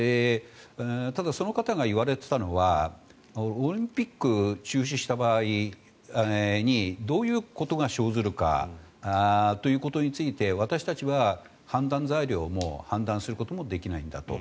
ただ、その方が言われていたのはオリンピックを中止した場合にどういうことが生ずるかということについて私たちは判断材料も判断することもできないんだと。